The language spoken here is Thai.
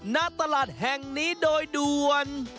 ณตลาดแห่งนี้โดยด่วน